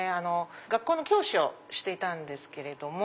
学校の教師をしていたんですけど。